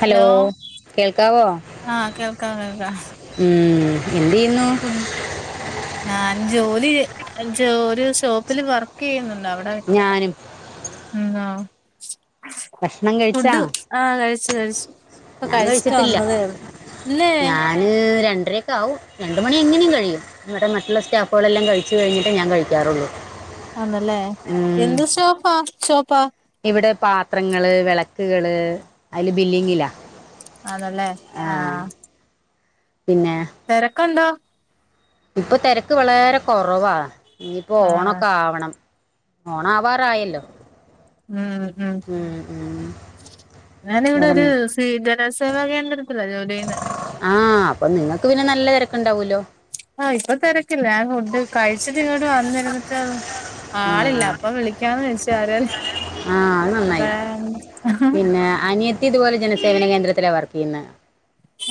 Hello കേൾക്കാവോ ആഹ് കേൾക്കാം കേൾക്കാം ഉം എന്ത് ചെയ്യുന്നു ഫുഡ് ഞാൻ ജോലി ജോലി ഒരു ഷോപ്പിൽ വർക്ക് ചെയ്യുന്നുണ്ട് അവിടെ ഞാനും ഉ ഭക്ഷണം കഴിച്ചാ ഫുഡ് ആഹ കഴിച്ചു കഴിച്ചു ഇപ്പ ഞാൻ കഴിച്ചിട്ട് വന്നതേ ഉള്ള പിന്നെ ഞല് രണ്ടരൊക്കെ ആവുംും രണ്ട് മണി എങ്ങനെയും കഴിയും ഇട മറ്റുള്ള സ്റ്റാഫുകളെല്ലാം കഴിച്ചു കഴിഞ്ഞിട്ടേ ഞാൻ കഴിക്കാറുള്ളു ആന്നല്ലേ എന്ത് ഷോപ്പാ ഷോപ്പാ ഇവിടെ പാത്രങ്ങള് വിളക്കുകള് അതില് ബില്ലിങ്ങില്ലാ ആണല്ലേ ആഹ ആഹ് പിന്നെ തിരക്കുണ്ടോ ഇപ്പൊ തിരക്ക് വളരെ കുറവാ ഇനിയിപ്പ ആഹ് ഓണൊക്കാ ആവണം ഓണ ആവാറായല്ലോ ഉം ഉം ഉം ഉം ഞാാനിവിടെ വേറെ ഒരു സീ ജനസേവാ കേന്ദ്രത്തില്ല ജോല ആഹ അപ്പൊ നിങ്ങക്ക് പിന്നെ നല്ല തിരക്കുണ്ടാവൂല്ലോ ആഹ ഇപ്പൊ തിരക്കില്ല ഞാൻ ഫുഡ് കഴിച്ചിട്ട് ഇങ്ങോട്ട് വന്നിരുന്നിട്ട് ആ ആളില്ല ആ അപ്പൊ വിളിക്കാന്ന് വെച്ച ആരല് ആ അത് അപ്പ നന്നായി പിന്നെ അനിയത്തി ഇതുപോലെ ജനസേവന കേന്ദ്രത്തിലാണ് വർക്ക് ചെയ്യുന്നത്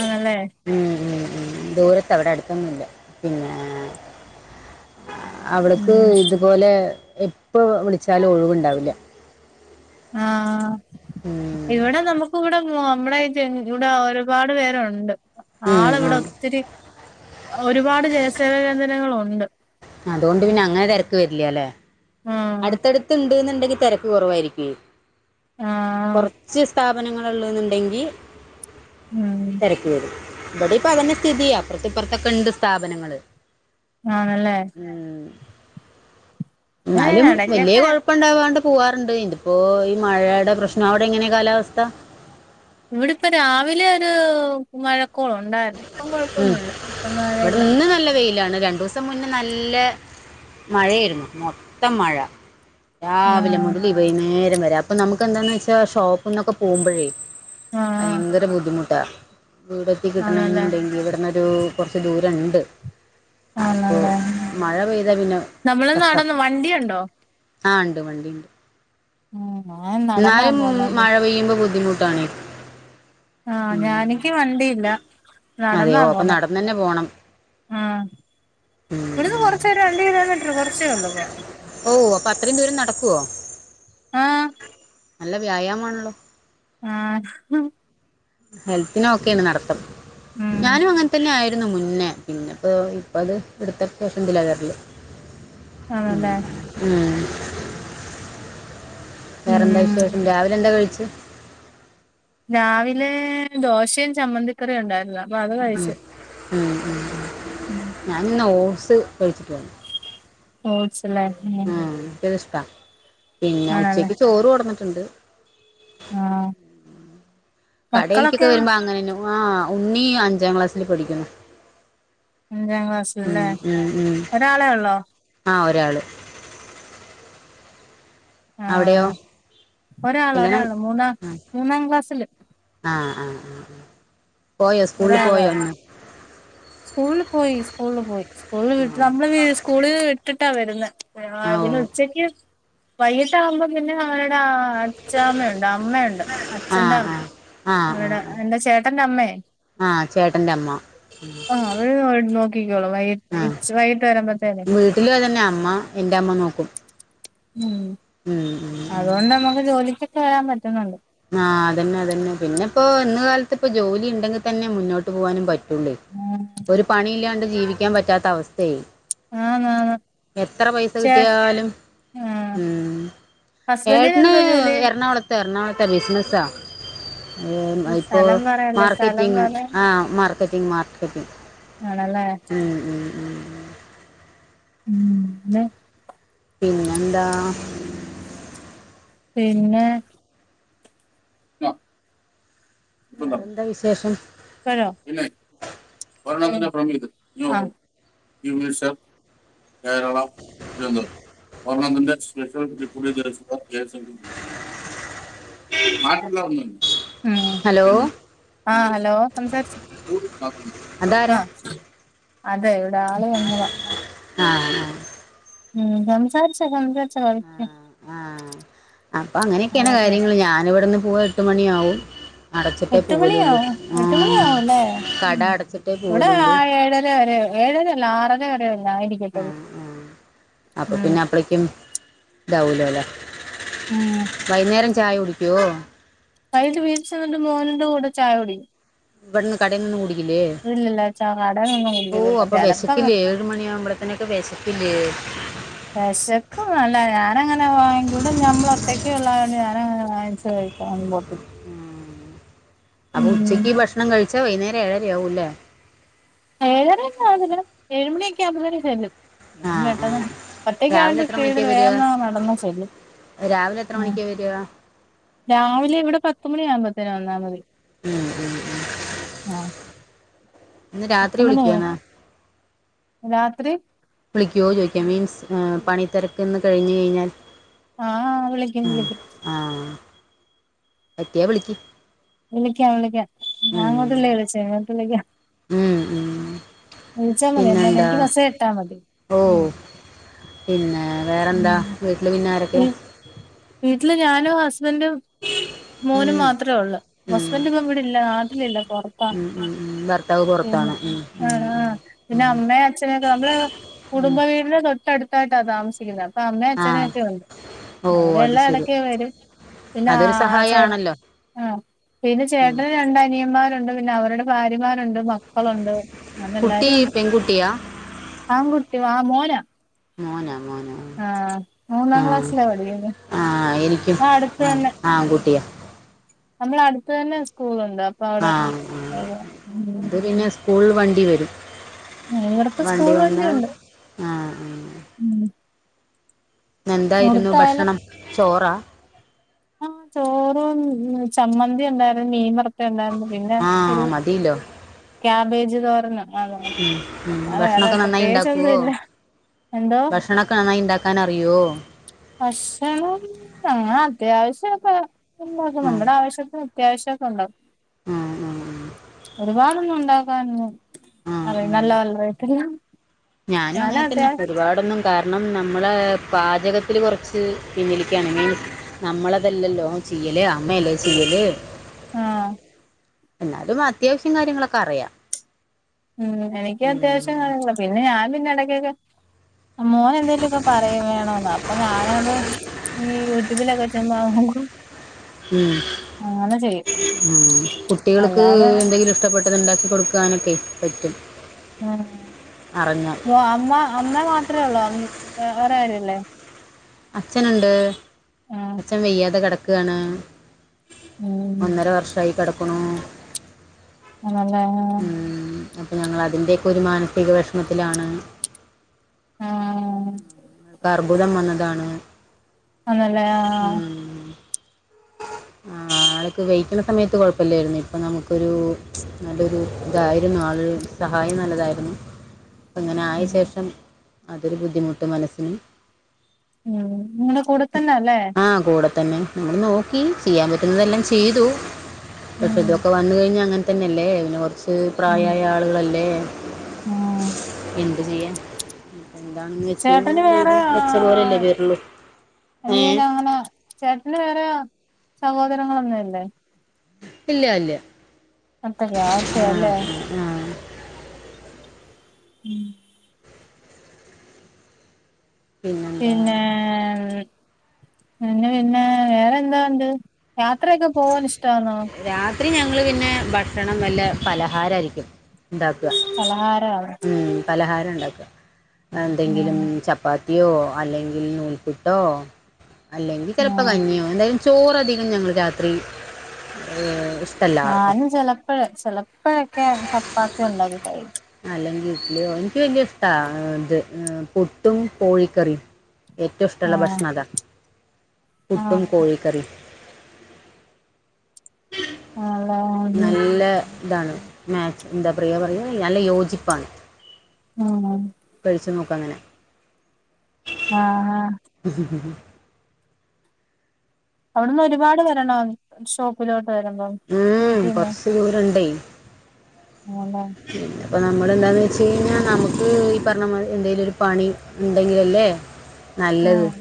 ആണല്ലേ ഉം ഉം ഉ ദൂരത്ത് അവിടെ അടുത്തൊന്നുംില്ല പിന്നെ അവള്ക്ക് ഉം ഇതുപോലെ എപ്പ വിളിച്ചാലും ഒഴിവുണ്ടാവില്ല ആഹ ഉം, ഇവിടെ നമുക്ക് ഇവിടെ നമ്മടെ ഇവിടെ ഒരുപാട് പേരുണ്ട് ആള ഉം, ഇവിടെ ഉം. ഒത്തിരി ഒരുപാട് ജലസേവ കേന്ദനങ്ങളുണ്ട് അതൊണ്ട് പിന്നെ അങ്ങനെതിരക്ക് വരില്ല അല്ലേ ആഹ് അടുത്തടുത്ത് ഉണ്ട് എന്നണ്ടെങ്കിൽ തിരക്ക് കുറവായിരിക്ക ആഹ് കുറച്ച് സ് സ്ഥാപനങ്ങളള്ളെന്നുണ്ടെങ്കിൽ ഉം തിരക്കി വരും ഇവിടെ ഇപ്പ അങ്ങനെ സ്ഥിതിയ അപ്പുറത്തെ ഇപ്പുറത്തൊക്കെ ഉണ്ട് സ്ഥാപനങ്ങൾ ആണല്ലേ ഉം ന്നാലും വല്ല്യ ഇടക്കൊക്കെ കൊഴ്പ്പണ്ടാവാണ്ട് പൂവാറുണ്ട് ഇത്പ്പോ ഈ മഴയുടെ പ്രശ്നം അവിടെ എങ്ങനെ കാലാവസ്ഥ. ഇവിടെപ്പ രാവിലെ ഒരു മഴക്കോള് ഉണ്ടായിരുന്നു ഇപ്പൊ ഉം. കൊഴപ്പൊന്നുമില്ല ഇപ്പൊ ഇവിടെ മഴയില്ല ഇന്ന് നല്ല വെയിലാണ് രണ്ടൂസം സം മുന്നേ നല്ല മഴായിരുന്നു മൊത്തം മഴ രാവിലെ ആഹ് മുതല് വൈന്നേരം വരെ അപ്പൊ നമുക്ക് എന്താന്ന് വെച്ചാ ഷോപ്പ്ന്നൊക്കെ പോകുമ്പോഴേ ആഹ് ഭയങ്കര ബുദ്ധിമുട്ടാ വീടെത്തി ആണല്ലേ കിട്ടണെന്നുണ്ടെങ്കി ഇവിടന്നൊരൂ കൊർച്ച് ദൂരണ്ട് അപ്പൊ ആണല്ലേ മഴ പെയ്താ പിന്നെ നമ്മള് കഷ്ടാ നടന്ന് വണ്ടിയുണ്ടോ ആഹ് ണ്ട് വണ്ടിണ്ട്. ആഹ് ഞയെന്നെ ന്നാലും മഴ പെയ്യുമ്പോ ബുദ്ധിമുട്ടാണ്. ആഹ് ഞാനക്ക് വണ്ടിയില്ല നടന്നാ അതെയോ അപ്പൊ പോണെ നടന്ന് തന്നെ പോണം ആഹ് ഇവിടുന്ന് കുറച്ച് രണ്ട് കിലോമീറ്റർ കുറച്ചേ ഉള്ളൂ പോക ഓ അപ്പൊ അത്രയും ദൂരം നടക്കുവോ ആഹ് നല്ല വ്യായാമാമാണല്ലോ ആഹ് ഹെൽത്തിനൊക്കെയാണ് നടത്തം ഉം ഞാനും അങ്ങൻതന്നെ ആയിരുന്നു മുന്നേ പിന്നെപ്പോ ഇപ്പ അത് ഇട്ത്തപ്പോ [unintelligible] ണ്ട് ലെയർല് ഉം ആണല്ലേ ഉം വേറെന്താ ഉം വിശേഷം രാവിലെ എന്താ കഴിച്ച് രാവിലെ ദോശയും ചമ്മന്തിക്കറിയും ഉണ്ടായിരുന്നു അപ്പൊ അത് കഴിച്ചു ഉം ഉം [inaudible] ഞാനിന്ന് ഓട്സ് കഴിച്ചിരുന്നു ഓട്സ് ലെ ആ എനിക്കത്ഷ്ടാ പിന്നെ ആണല്ലേ ഉച്ചക്ക് ചോറ് കൊടന്നിട്ടുണ്ട് ആഹ് കടയിൽക്കൊക്കെ മക്കളൊക്കെ വരുമ്പോ അങ്ങനെന്നും ആ ഉണ്ണി അഞ്ചാം ക്ലാസ്സില് പഠിക്കുന്നു അഞ്ചാം ക്ലാസില്ല്ലേ ഉം, ഒരാളേ ഒള്ളോ? ആഹ് ഒരാള് അവിടെയോ ആഹ് ഒരാള് കല്യാണം ഒരാള് മൂന്നാം ആ മൂന്നാം ക്ലാസ്സില്. ആഹ് ആഹ് ആഹ് ആഹ് പോയോ സ്കൂളില് പോയോ? സ്കൂള് പോയി സ്കൂളിൽ പോയി സ്കൂളിൽ വിട്ടിട്ട നമ്മള് സ്കൂള വിട്ടിട്ടാ വരുന്നെ ആഹ് പിന്നെ ഉച്ചക്ക് വൈകീ ട്ടാകുമ്പോം പിന്നെ അവരുടെ അച്ഛാമ്മയുണ്ട് അമ്മയുണ്ട് അച്ഛന്റെ ആഹ് അമ്മ ആഹ് ആഹ് അവിടെ ആഹ് എന്റെ ചേട്ടന്റെ അമ്മയ് ആഹ് ചേട്ടന്റെ അമ്മ ആഹ് അവര് നോക്കിക്കോളും വൈക് ആഹ് വീട്ടില് അതന്നെ അമ്മ എന്റെ അമ്മ നോക്കും. ഉം ഉം അതോണ്ടമ്മക്ക് ജോലിക്കൊക്കെ വരാൻ പറ്റുന്നുണ്ട്. ആഹഹ് അതന്നെ അതന്നെ പിന്നെ ഇപ്പോ ഇന്ന് കാലത്ത് ഇപ്പോ ജോലി ഉണ്ടെങ്കിതന്നെ മുന്നോട്ട് പോകാനും പറ്റുള്ളൊയ് ഉം ഒരു പണി ഇല്ലാണ്ട് ജീവിക്കാൻ പറ്റാത്ത അവസ്ഥയായി. ആന്നാന്ന് എത്ര പൈസ കിട്ടിയാലും ആഹ് ഉം ഹസ്ബൻഡിന് ഏട്ടന് എന്താ ജോലി എറണാകുളത്ത് ത്ത് എറണാകുളത്ത് ബിസ്‌നസാ ഏ ഇപ്പോ സ്ഥലം പറയല്ലേ സ്ഥലം മാർക്കറ്റിങ് പറ ആ മാർക്കറ്റിങ് മാർക്കറ്റിങ് ആണല്ലേ ഉം ഉം ഉം ഉം മ്മേ പിന്നെന്താ. പിന്നെ നൊ വേറെന്താ വിശേഷം [unintelligible] പിന്നെ ഒരെണ്ണം തന്നെ from myth [inaudible] യുമിസഫ് Keralam, Thiruvananthapuram. One മന്തിന്റെ [unintelligible] ഒ [unintelligible] നാട്ടില് വന്ന്ണ് ഹലോ ഉം ആ ഹലോ സംസാരിച്ചൊ അതാരാ അഹാ അതെ ഇവിടെ ആള് വന്നെതാ ആഹ് ഹാ ഉം സംസാരിച്ചൊ സംസാരിച്ചൊ കൊ ആഹാ അപ്പങ്ങനെയെക്കെയാണ് അതൊക്കെയാ കാര്യങ്ങള് ഞാന് വടെന്ന് പോവാ എട്ട് മണിയാവും. അടച്ചിട്ടേ എട്ട് പോവലുള്ളൂ മണിയാവും എട്ട് ആഹ് മണിയാവുലേ കട മ് അടച്ചിട്ടേ ഇവടെ പോവലുള്ളൂ ഏഴര വരെ ഏഴരെയല്ല ആറര വരയല്ലേ ആയിരിക്കും. ആഹ് ആഹ് അപ്പൊ പിന്നെ അപ്പെളേക്കും ഇതാവൊലോലേ? ഉം. വൈയ്ന്നേരം ചായ കുടിക്കോ? വൈകിട്ട് വീട്ടി ചെന്നിട്ട് മോന്റെ കൂടെ ചായ കുടിക്കും ഇവട്ന്ന് കടേന്നൊന്നും കൂടി ക്കില്ലേ ഇല്ലില്ല ചാ കടയിലൊന്നും ഓ കുടിക്കത്തില്ല അപ്പൊ ചിലപ്പം വെശക്കില്ലേ ഏഴ് മണിയാവുമ്പോളോതിനൊക്കെ വെശക്കില്ലേ? വെശക്കും നല്ല ഞാനങ്ങനെ വാങ്ങിക്കിവിടെ ഞമ്മളൊറ്റക്ക് ഒള്ളായോണ്ട് ഞാനങ്ങനെ വാങ്ങിച്ച് കഴി പാനി ബോട്ടിൽ അപ്പൊ ഉച്ചയ്ക്കീ ഭക്ഷണം കഴിച്ചാ വെയ്ന്നേരം ഏഴരെയാവൂല്ലേ? ഏഴെരന്നു ആവിലെങ്കിലും ഏഴുമണിയൊക്കെ ആകുമ്പഴേക്ക് ചെല്ലും. ആ ഞാ ആ പെട്ടെന്ന് രാവിലെ ഒറ്റക്കായോണ്ട് എത്ര മണിക്കാ സ്പീഡില് വരിക വേഗങ്ങ് നടന്ന് ചെല്ലും രാവിലെ എത്ര മണിക്കാ വെരാ? രാവിലെയിവിടെ പത്തുമണിയാവുമ്പോത്തിന് വന്നാ മതി ഉം, ഉം. ആഹാ ഇന്ന് രാത്രി വിളിക്കുമോ പത്തുമണിയെ എന്നാ രാത്രി വിളിക്കോ ചോയിക്കാ മീൻസ് പണി തെരക്കൊന്ന് കഴിഞ്ഞ് കഴിഞ്ഞാൽ. ആഹാ വിളിക്കും വിളിക്കും. ആഹാ പറ്റിയാ വിളിക്കും. വിളിക്കാം, വിളിക്കാം ഞാ അങ്ങോട്ടല്ലെ വിളിച്ചെ ഇങ്ങോട്ട് വിളിക്കാം. ഉം ഉം വിളിച്ചാ മതി എന്താന്ന് പിന്നെന്താ എനിക്ക് മെസ്സേജിട്ടാ മതി. ഓ ഉം പിന്നെ മ് വേറെന്താ വീട്ടിൽ പിന്നെ വി ആരൊക്കെയാ വീട്ടില് ഞാനും ഹസ്ബൻഡും മോനും ഉം, മാത്രെവൊള്ള് ഉം, ഹസ്ബന്റ്ഡ്പ്പം ഇവിടില്ല നാട്ടിലില്ല പൊറ ഉം ഉം ഉം ഭ പിന്നെ ആഹാ ആഹാ പിന്നെ അമ്മെ അച്ഛനെയൊക്കെ നമ്മള് കുടുംബ വീടിന് തൊ ട്ടടുത്തായിട്ടാ താമസിക്കുന്നെ അപ്പ അമ്മേം ആ അച്ഛനുയൊക്കെയുണ്ട്. ഓ അത് അവരെല്ലാം ശരി എടക്കേ വെരും പിന്നെ ആ അതൊരു ചേട്ട സഹായമാണല്ലോ ആ പിന്നെ ചേട്ടന് രണ്ടനിയന്മാരുണ്ട് പിന്നവരുടെ ഫാര്യമാരുണ്ട്, മക്കളുണ്ട് കുട്ടി അങ്ങനെല്ലാരുവുണ്ട്. പെൺകുട്ടിയാ ആൺകുട്ടി ആഹാ മോനാ മോന മോനാ. ആഹ് മൂന്നാം ആ ക്ലാസ്സിലാ പഠിക്കുന്നെ ആഹാ എനിക്കും ആ അടുത്ത് ആഹാ ആൺ കുട്ടിയാ. നമ്മെളടുത്ത് തന്നെ സ്കൂളുണ്ട് അപ്പവ്ടെ പോവും സ്കൂള് വണ്ടി വെരും. ഇവർക്ക് വണ്ടി സ്കൂൾ വന്നാൽ വണ്ടിയുണ്ട് ആഹാ ഉം ഇന്നെന്തായിരുന്നു ഇവിടുത്തായാലും ഭക്ഷണം ചോറാ? ആഹ് ചോറും ചമ്മന്തിയുണ്ടായിരുന്നു മീൻവറ്ത്തെണ്ടായിരുന്നു പിന്നെ ഒരു മതില്ലോ ക്യാബേജ് തോരനും ആന്ന് ആന്നാ ഉം ഉം അല്ലാ വേറെ ഭക്ഷണൊക്കെ നന്നായി ഇണ്ടാക്കുവോ പ്രത്യേകിച്ചൊന്നുല്ല ഭക്ഷണൊക്കെ നന്നായി ണ്ടാക്കാൻറിയോ? ഭക്ഷണം ഞങ്ങൻ അത്യാവശ്യക്കെ ണ്ടാക്കും ആഹ് മ്മുടെ ആവശ്യത്തിന് ക്യാഷ്യൊക്കെ ണ്ടോ ആ ഒരുപാടൊന്നും ഉണ്ടാക അത ആഹ് നല്ല വല്ലല്ല ഞാനും അങ്ങനെ തന്നെ ഒരുപാടൊന്നും കാരണം നമ്മള പാചകത്തില് കുറച്ച് പിന്നലിക്കയാണ് മീൻസ് നമ്മളതല്ലല്ലോ ചെയ്യല് അമ്മയല്ലേ ചെയ്യല് ആഹ് എന്നാലും അത്യാവശ്യം കാര്യങ്ങളൊക്കെ അറിയാം ഉം എനിക്ക് ഉം. അത്യാവശ്യം കാണുള്ള പിന്നെ ഞാൻ പിന്നെ ഇടക്കൊക്കെ മോന ന്തേലുക്കെ പറയും വേണന്ന് അപ്പൊ ഞാനത് യട്ട പി ലച്ചമ്മ ആമുക്ക് ഉം കുട്ടികൾക്ക് അല്ലാതെ എന്തെങ്കിലും ഷ്ടപ്പെട്ടത് ണ്ടാക്കി കൊടുക്കാനൊക്കെ പറ്റും അറിഞ്ഞാൽ അമ്മ അമ്മ മാത്രേ ഉള്ളു ഒറെ ആരുല്ലേ? അച്ഛനുണ്ട് ആ അച്ഛൻ വെയ്യാതെ കിടക്കാണ് ഉം ഒന്നര വർഷയി കിടക്കണു അതെ അപ്പ ഞങ്ങൾ അതിൻ്റെക്കെ ഒരു മാനസിക വിഷമത്തിലാണ് ആഹ് കർബുദം വന്നതാണ് അന്നല്ലേ ആ ആ ആൾക്ക് വെയിക്കണ സമയത്ത് കുഴപ്പമില്ലാരുന്നു ഇപ്പം നമുക്കൊരു നല്ലൊരു ഇതായിരുന്നു ആൾ സഹായം നല്ലതായിരുന്നു [inaudible] പ്പ ങ്ങനെ ആയ ഉം ശേഷം അതൊരു ബുദ്ധിമുട്ട് മനസ്സിനന് ഉം നിങ്ങളെ കൂടെത്തന്നെ അല്ലേ കൂടെ തന്നെ നഞൾ നോക്കി ചെയ്യാൻ പറ്റുന്നതെല്ലാം ചെയ്തു പക്ഷേ ഉം ഇതൊക്കെ വന്ന കഴിഞ്ഞാൽ അങ്ങനെ തന്നെയല്ലേ പിന്നെ കുറച്ച് ഉം പ്രായമായ ആളുകളല്ലേ ആ എന്ത് ചെയ്യാൻ? എന്താണെന്ന് ചേട്ടന് വെച്ച ദൈവം വെ ച്ച പോലല്ലേ വേരുള്ളു നീനങ്ങന ചേട്ടന് വേരാ സഹോദരങ്ങളൊന്നുല്ലേ? ഇല്ല ഇല്ല അത്തക്കെ ആക്കെ അല്ലെ ആഹ് ഉം പിന്നെന്താ പിന്നെ എന്ന പിന്നെ വേറെ എന്താണ്ട് യാത്രയൊക്കെ പോവാൻ ഇഷ്ടാന്നോ? രാത്രി ഞങ്ങള് പിന്നെ ഭക്ഷണം വല്ല പലഹാരയിരിക്കും ഉണ്ടാക്ക പലഹാര വർ ഉ പലഹാരം ഉണ്ടാക്ക ആ എന്തെങ്കിലും ച ചപ്പാത്തിയോ അല്ലെങ്കിൽ നൂൽപ്പുട്ടോ അല്ലെങ്കിൽ ആ ചെലപ്പ കഞ്ഞിയോ എന്തായാലും ചോറധികം ഞങ്ങൾ രാത്രി [unintelligible] ഞന് ചെലപ്പഴ്‌ ചെലപ്പഴൊക്കെ ചപ്പാത്തി ഉണ്ടാക്കി കഴി അലെങ്കി വീട്ടില് ഓന്ക്ക് വല്യ ഇഷ്ട ഇത് പുട്ടും കോഴിക്കറിയും ഏറ്റവും ഇഷ്ടള്ള ആഹ് ഭക്ഷണം അതാ പുട്ടും ആഹ് കോഴിക്കറിം അലോ നല്ല ഇതാണ് മാച്ച് എന്താ പറയ പറയ നല്ല യോജിപ്പാണ് ഉം [unintelligible] ഴിച്ചു നോക്കാ അങ്ങനെ ആഹ് ആഹ് അവിടുന്ന് ഒരുപാട് വരണോ ഷോപ്പിലോട്ട് വരുമ്പോ വീട്ടിന്ന് കുറച്ച് ദൂരമുണ്ടേ മോളാ പിന്നെപ്പം നമ്മള് എന്താന്ന് വെച്ചയിഞ്ഞാ നമുക്ക് ഈ പറഞ്ഞമാരി എന്തേലും ഒരു പണി ഇണ്ടെങ്കിലല്ലേ നല്ലത് ഉം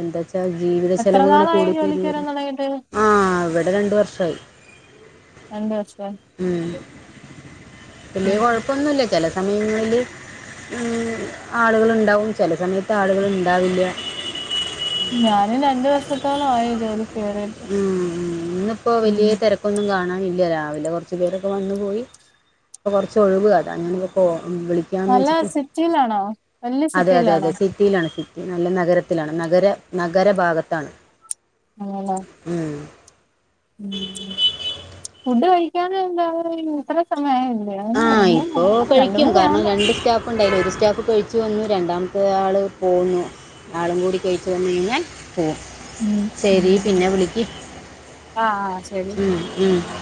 എന്ത ചെ ജീവിത എത്ര ചെലവുകള് നാളായി കൂടികൂടി ജോലിക്ക് വരാൻ വര്ണ് തൊടങ്ങിട്ട് ആഹ് ഇവിടെ രണ്ട് വർഷായി രണ്ട് വർഷോം വലിയ കൊഴപ്പൊന്നുല്ല ചില സമയങ്ങളില് ഉം ആളുകളുണ്ടാവും ചെല സമയത്ത് ആളുകള്ണ്ടാവില്ല്യ ഞാന് രണ്ടു വർസത്തോളായി ജോലിക്കേറി ഉം ഉം ഇന്ന്പ്പോ വലിയ തിരക്കൊന്നും കാണാനില്ല രാവിലെ കുറച്ചു പേരൊക്കെ വന്നു പോയി ഇപ്പ കുറച്ച് ഒഴിവ് അതാ അങ്ങനിപ്പോ വിളിക്കാന്ന് നല്ല വെച്ചിട്ട് സിറ്റിയിലാണോ വല്യ അതെയതെയതെ സിറ്റിയിലാണോ റ്റിയിലാണ് സിറ്റി നല്ല നഗരത്തിലാണ് നഗര നഗരഭാഗത്താണ് [unintelligible] ഉം ഉം ഫുഡ് കഴിക്കാനന്താ ഇത്ര സമയാ യില്ലേ ആഹ് ഇപ്പോ കഴിക്യും കാരണം രണ്ട് സ് ഇപ്പ ഉണ്ടായിരു ഒരു സ്റ്റാഫ് കഴിച്ചു വന്നു രണ്ടാമത്തെയാള് പോന്നു ആളും കൂടി കഴിച്ച് വന്ന്ഴിഞ്ഞാൽ പോവും ഉം ശരി ഉം പിന്നെ വിളിക്ക് ആഹ് ആഹ് ശരി ഉം ഉം